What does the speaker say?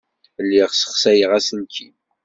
Lliɣ ssexsayeɣ aselkim.